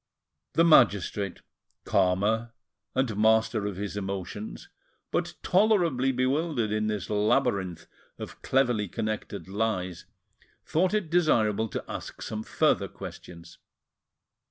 The magistrate, calmer, and master of his emotions, but tolerably bewildered in this labyrinth of cleverly connected lies, thought it desirable to ask some further questions.